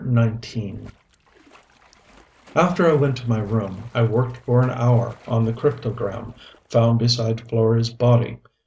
CHAPTER XIX After I went to my room I worked for an hour on the cryptogram, found beside Florey's body.